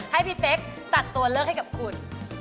ให้พี่เป๊กตัดตัวเลือกให้กับคุณ